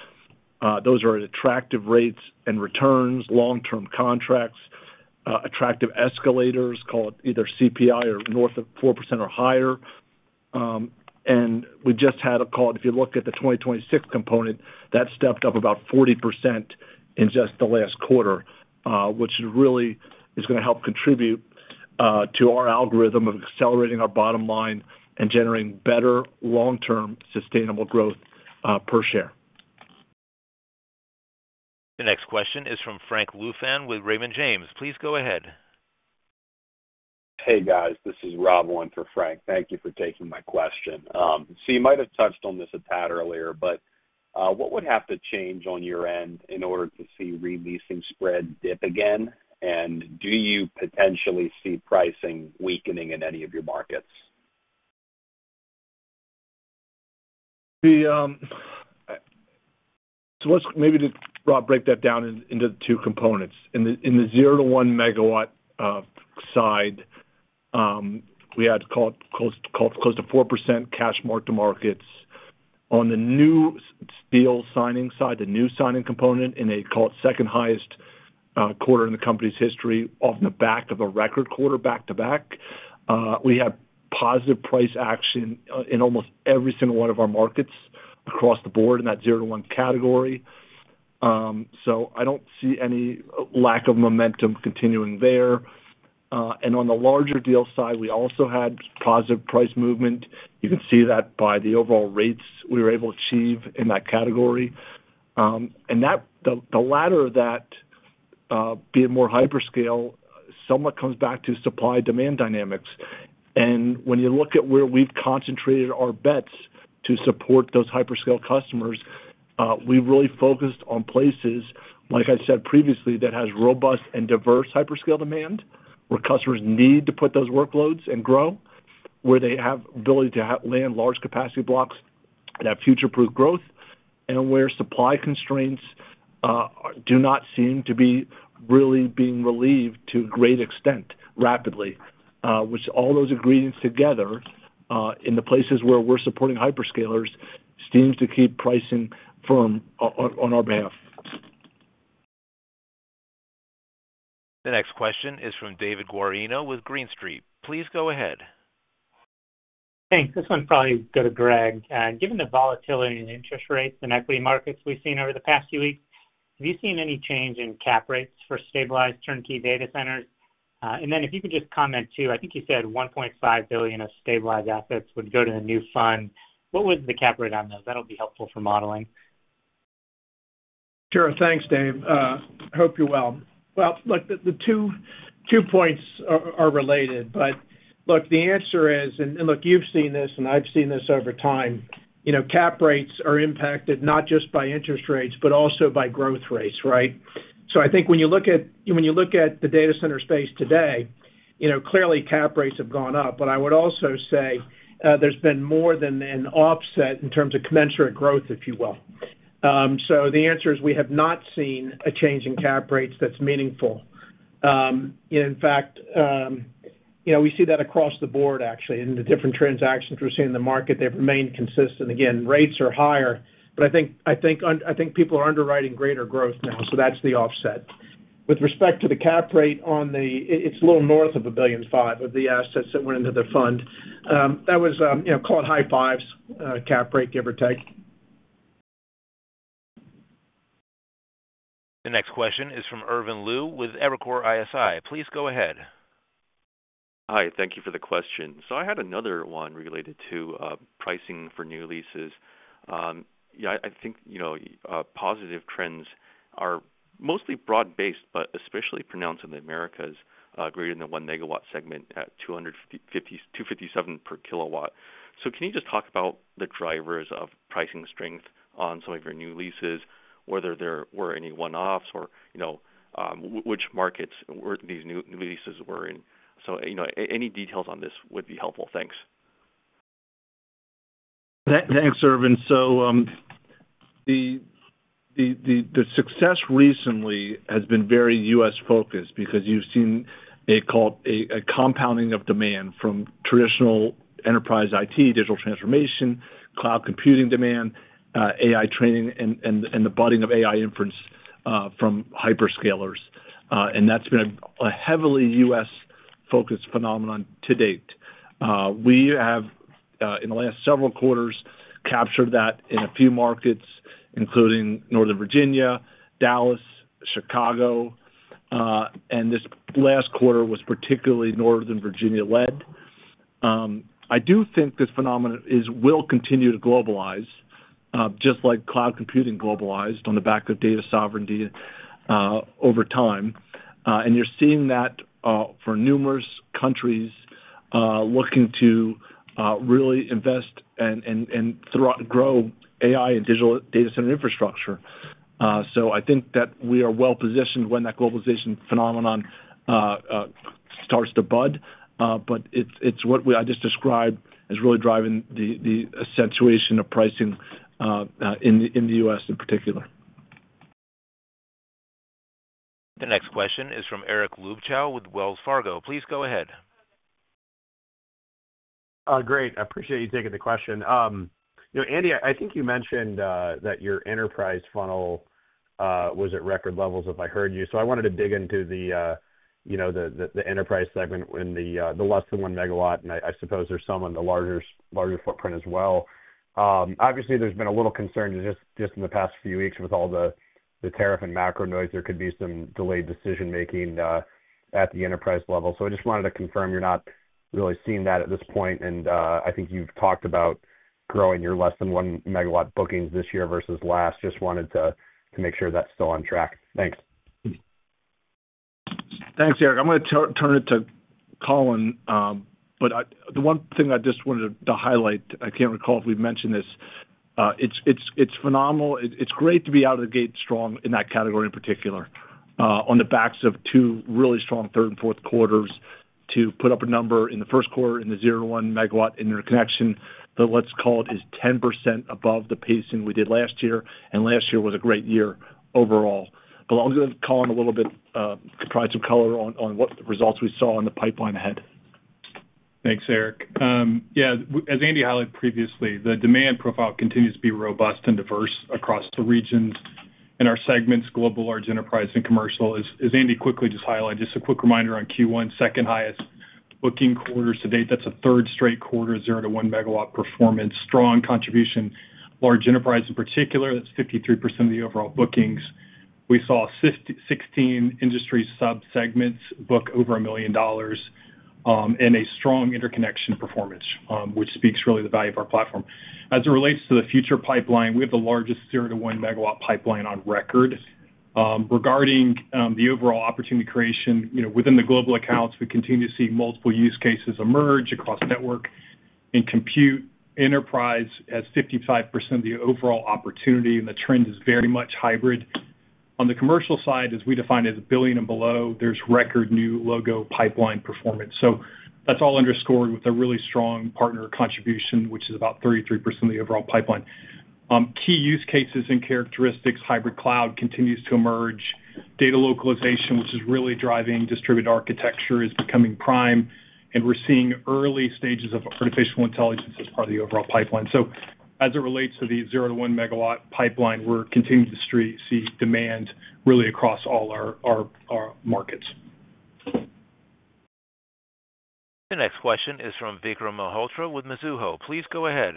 Those are attractive rates and returns, long-term contracts, attractive escalators, called either CPI or north of 4% or higher. I mean, we just had a call. If you look at the 2026 component, that stepped up about 40% in just the last quarter, which really is going to help contribute to our algorithm of accelerating our bottom line and generating better long-term sustainable growth per share. The next question is from Frank Louthan with Raymond James. Please go ahead. Hey, guys. This is Rob Owen for Frank. Thank you for taking my question. You might have touched on this a tad earlier, but what would have to change on your end in order to see releasing spread dip again? Do you potentially see pricing weakening in any of your markets? Let's maybe just break that down into the two components. In the 0-1 megawatt side, we had close to 4% cash more to markets. On the new steel signing side, the new signing component in a second-highest quarter in the company's history off the back of a record quarter back to back, we have positive price action in almost every single one of our markets across the board in that 0-1 category. I do not see any lack of momentum continuing there. On the larger deal side, we also had positive price movement. You can see that by the overall rates we were able to achieve in that category. The latter of that being more hyperscale somewhat comes back to supply-demand dynamics. When you look at where we've concentrated our bets to support those hyperscale customers, we've really focused on places, like I said previously, that have robust and diverse hyperscale demand where customers need to put those workloads and grow, where they have the ability to land large capacity blocks that have future-proof growth, and where supply constraints do not seem to be really being relieved to a great extent rapidly, which all those ingredients together in the places where we're supporting hyperscalers seems to keep pricing firm on our behalf. The next question is from David Guarino with Green Street. Please go ahead. Hey, this one's probably go to Greg. Given the volatility in interest rates and equity markets we've seen over the past few weeks, have you seen any change in cap rates for stabilized turnkey data centers? If you could just comment too, I think you said $1.5 billion of stabilized assets would go to a new fund. What was the cap rate on those? That'll be helpful for modeling. Sure. Thanks, Dave. Hope you're well. Look, the two points are related, but the answer is, and you've seen this and I've seen this over time, cap rates are impacted not just by interest rates but also by growth rates, right? I think when you look at the data center space today, clearly cap rates have gone up, but I would also say there's been more than an offset in terms of commensurate growth, if you will. The answer is we have not seen a change in cap rates that's meaningful. In fact, we see that across the board, actually, in the different transactions we're seeing in the market. They've remained consistent. Again, rates are higher, but I think people are underwriting greater growth now, so that's the offset. With respect to the cap rate on the, it's a little north of $1.5 billion of the assets that went into the fund. That was, call it high fives, cap rate, give or take. The next question is from Irvin Liu with Evercore ISI. Please go ahead. Hi. Thank you for the question. I had another one related to pricing for new leases. Yeah, I think positive trends are mostly broad-based, but especially pronounced in the Americas greater than 1 MW segment at $257 per kW. Can you just talk about the drivers of pricing strength on some of your new leases, whether there were any one-offs or which markets these new leases were in? Any details on this would be helpful. Thanks. Thanks, Irvin. The success recently has been very U.S.-focused because you've seen a compounding of demand from traditional enterprise IT, digital transformation, cloud computing demand, AI training, and the budding of AI inference from hyperscalers. That has been a heavily U.S.-focused phenomenon to date. We have, in the last several quarters, captured that in a few markets, including Northern Virginia, Dallas, Chicago. This last quarter was particularly Northern Virginia-led. I do think this phenomenon will continue to globalize, just like cloud computing globalized on the back of data sovereignty over time. You are seeing that for numerous countries looking to really invest and grow AI and digital data center infrastructure. I think that we are well-positioned when that globalization phenomenon starts to bud, but it is what I just described as really driving the accentuation of pricing in the U.S. in particular. The next question is from Eric Luebchow with Wells Fargo. Please go ahead. Great. I appreciate you taking the question. Andy, I think you mentioned that your enterprise funnel was at record levels, if I heard you. I wanted to dig into the enterprise segment in the less than 1 megawatt, and I suppose there is some on the larger footprint as well. Obviously, there has been a little concern just in the past few weeks with all the tariff and macro noise. There could be some delayed decision-making at the enterprise level. I just wanted to confirm you're not really seeing that at this point. I think you've talked about growing your less than 1 MW bookings this year versus last. Just wanted to make sure that's still on track. Thanks. Thanks, Eric. I'm going to turn it to Colin. The one thing I just wanted to highlight, I can't recall if we've mentioned this. It's phenomenal. It's great to be out of the gate strong in that category in particular, on the backs of two really strong third and fourth quarters to put up a number in the first quarter in the 0-1 megawatt interconnection that, let's call it, is 10% above the pacing we did last year. Last year was a great year overall. I'll give Colin a little bit to provide some color on what results we saw in the pipeline ahead. Thanks, Eric. Yeah. As Andy highlighted previously, the demand profile continues to be robust and diverse across the regions and our segments, global, large enterprise, and commercial. As Andy quickly just highlighted, just a quick reminder on Q1, second-highest booking quarters to date. That's a third straight quarter 0-1 megawatt performance, strong contribution, large enterprise in particular. That's 53% of the overall bookings. We saw 16 industry subsegments book over $1 million and a strong interconnection performance, which speaks really to the value of our platform. As it relates to the future pipeline, we have the largest 0-1 megawatt pipeline on record. Regarding the overall opportunity creation, within the global accounts, we continue to see multiple use cases emerge across network and compute. Enterprise has 55% of the overall opportunity, and the trend is very much hybrid. On the commercial side, as we define it as a billion and below, there is record new logo pipeline performance. That is all underscored with a really strong partner contribution, which is about 33% of the overall pipeline. Key use cases and characteristics, hybrid cloud continues to emerge. Data localization, which is really driving distributed architecture, is becoming prime. We are seeing early stages of artificial intelligence as part of the overall pipeline. As it relates to the 0-1 megawatt pipeline, we are continuing to see demand really across all our markets. The next question is from Vikram Malhotra with Mizuho. Please go ahead.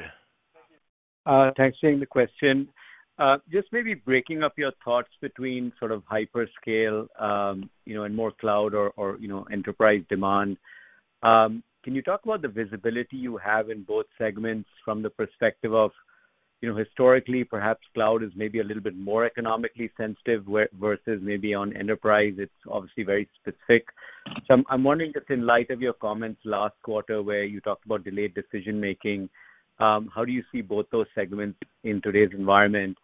Thanks for taking the question. Just maybe breaking up your thoughts between sort of hyperscale and more cloud or enterprise demand. Can you talk about the visibility you have in both segments from the perspective of historically, perhaps cloud is maybe a little bit more economically sensitive versus maybe on enterprise. It's obviously very specific. I am wondering, just in light of your comments last quarter where you talked about delayed decision-making, how do you see both those segments in today's environment?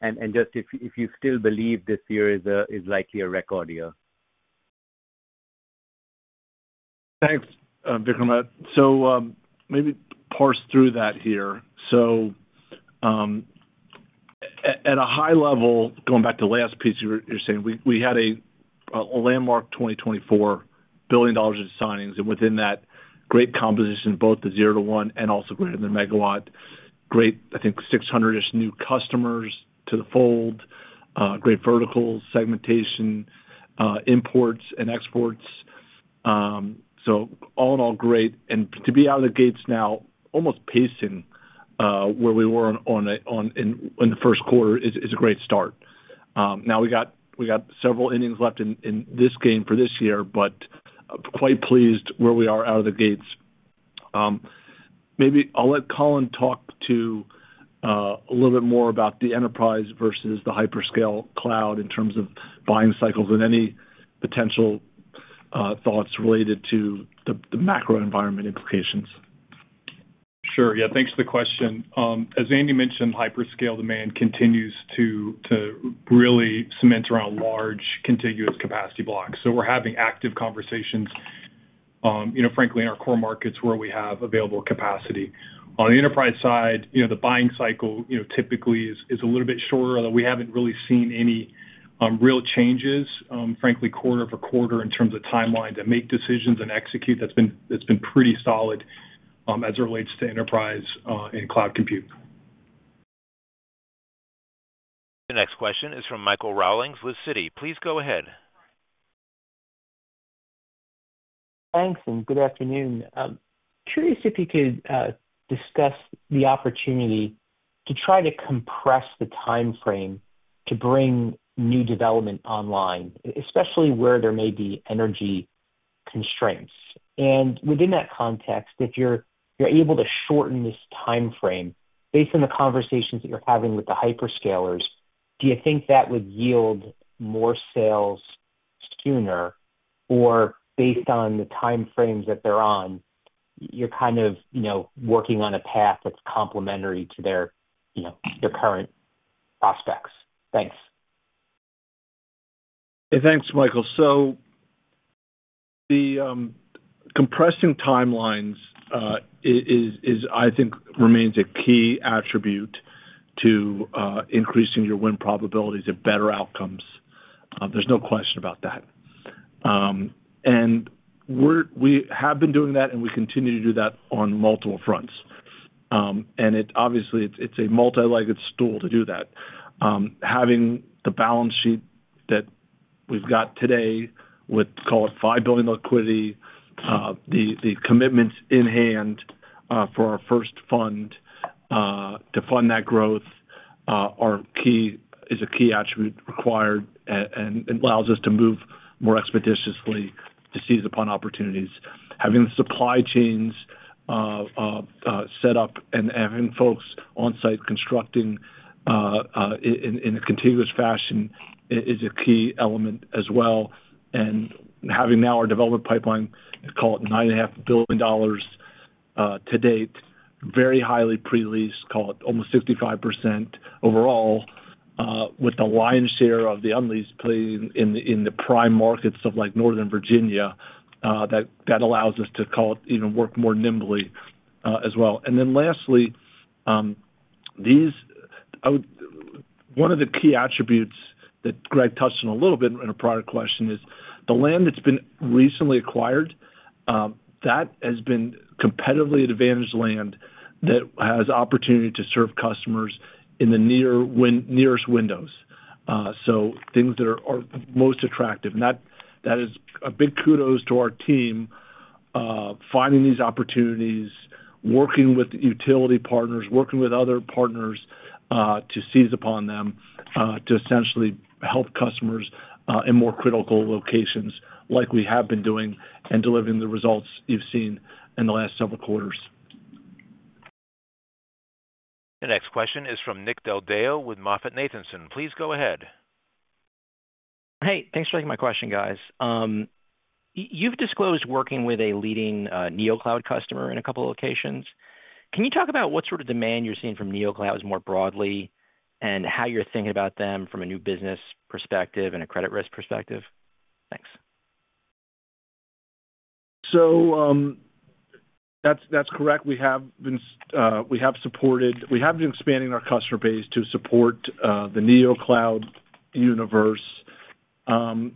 If you still believe this year is likely a record year. Thanks, Vikram. Maybe parse through that here. At a high level, going back to the last piece you're saying, we had a landmark $24 billion in signings. Within that, great composition, both the 0-1 and also greater than 1 MW. Great, I think, 600-ish new customers to the fold. Great vertical segmentation, imports and exports. All in all, great. To be out of the gates now, almost pacing where we were in the first quarter is a great start. We have several innings left in this game for this year, but quite pleased where we are out of the gates. Maybe I'll let Colin talk a little bit more about the enterprise versus the hyperscale cloud in terms of buying cycles and any potential thoughts related to the macro environment implications. Sure. Yeah. Thanks for the question. As Andy mentioned, hyperscale demand continues to really cement around large contiguous capacity blocks. We are having active conversations, frankly, in our core markets where we have available capacity. On the enterprise side, the buying cycle typically is a little bit shorter, although we haven't really seen any real changes. Frankly, quarter for quarter in terms of timeline to make decisions and execute, that's been pretty solid as it relates to enterprise and cloud compute. The next question is from Michael Rollins, with Citi. Please go ahead. Thanks, and good afternoon. Curious if you could discuss the opportunity to try to compress the timeframe to bring new development online, especially where there may be energy constraints. Within that context, if you're able to shorten this timeframe based on the conversations that you're having with the hyperscalers, do you think that would yield more sales sooner? Or based on the timeframes that they're on, you're kind of working on a path that's complementary to their current prospects. Thanks. Hey, thanks, Michael. Compressing timelines, I think, remains a key attribute to increasing your win probabilities and better outcomes. There's no question about that. We have been doing that, and we continue to do that on multiple fronts. Obviously, it is a multi-legged stool to do that. Having the balance sheet that we have today with, call it, $5 billion liquidity, the commitments in hand for our first fund to fund that growth is a key attribute required and allows us to move more expeditiously to seize upon opportunities. Having the supply chains set up and having folks on-site constructing in a contiguous fashion is a key element as well. Having now our development pipeline, call it, $9.5 billion to date, very highly pre-leased, call it, almost 65% overall, with the lion's share of the unleased playing in the prime markets of Northern Virginia, that allows us to, call it, even work more nimbly as well. Lastly, one of the key attributes that Greg touched on a little bit in a prior question is the land that's been recently acquired. That has been competitively advantaged land that has opportunity to serve customers in the nearest windows. Things that are most attractive. That is a big kudos to our team finding these opportunities, working with utility partners, working with other partners to seize upon them to essentially help customers in more critical locations like we have been doing and delivering the results you've seen in the last several quarters. The next question is from Nick Del Deo with MoffettNathanson. Please go ahead. Hey, thanks for taking my question, guys. You've disclosed working with a leading neocloud customer in a couple of locations. Can you talk about what sort of demand you're seeing from neoclouds more broadly and how you're thinking about them from a new business perspective and a credit risk perspective? Thanks. That is correct. We have supported, we have been expanding our customer base to support the neocloud universe. I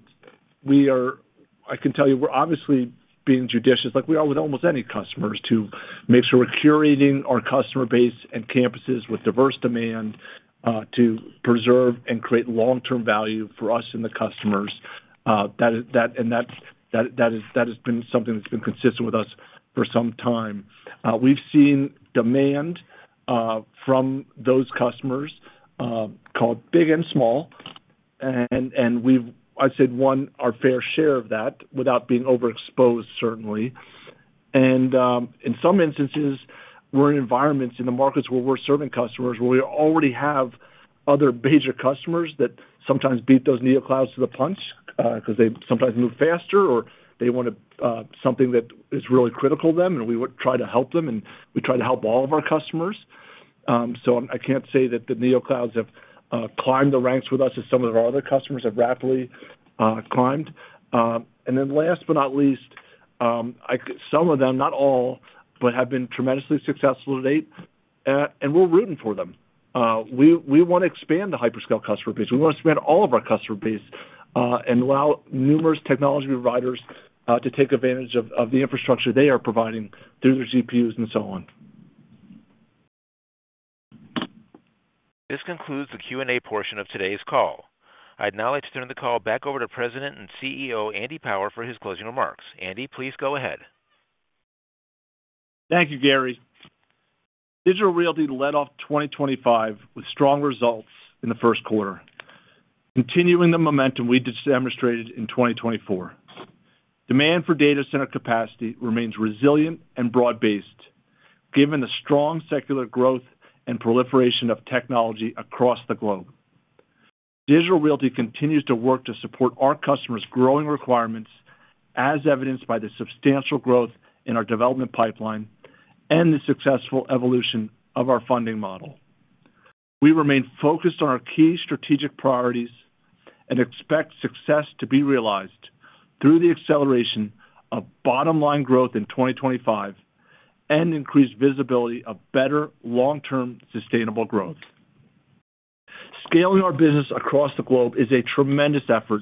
can tell you we're obviously being judicious, like we are with almost any customers, to make sure we're curating our customer base and campuses with diverse demand to preserve and create long-term value for us and the customers. That has been something that's been consistent with us for some time. We've seen demand from those customers, called big and small, and we've, I'd say, won our fair share of that without being overexposed, certainly. In some instances, we're in environments in the markets where we're serving customers where we already have other major customers that sometimes beat those neoclouds to the punch because they sometimes move faster or they want something that is really critical to them, and we would try to help them, and we try to help all of our customers. I can't say that the neoclouds have climbed the ranks with us as some of our other customers have rapidly climbed. Last but not least, some of them, not all, but have been tremendously successful to date, and we're rooting for them. We want to expand the hyperscale customer base. We want to expand all of our customer base and allow numerous technology providers to take advantage of the infrastructure they are providing through their GPUs and so on. This concludes the Q&A portion of today's call. I'd now like to turn the call back over to President and CEO Andy Power for his closing remarks. Andy, please go ahead. Thank you, Gary. Digital Realty led off 2025 with strong results in the first quarter, continuing the momentum we just demonstrated in 2024. Demand for data center capacity remains resilient and broad-based given the strong secular growth and proliferation of technology across the globe. Digital Realty continues to work to support our customers' growing requirements, as evidenced by the substantial growth in our development pipeline and the successful evolution of our funding model. We remain focused on our key strategic priorities and expect success to be realized through the acceleration of bottom-line growth in 2025 and increased visibility of better long-term sustainable growth. Scaling our business across the globe is a tremendous effort,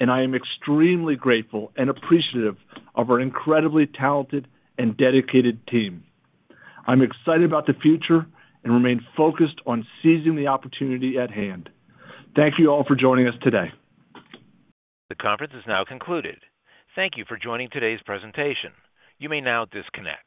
and I am extremely grateful and appreciative of our incredibly talented and dedicated team. I'm excited about the future and remain focused on seizing the opportunity at hand. Thank you all for joining us today. The conference is now concluded. Thank you for joining today's presentation. You may now disconnect.